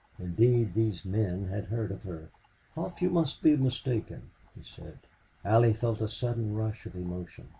Indeed these men had heard of her. "Hough, you must be mistaken," he said. Allie felt a sudden rush of emotion.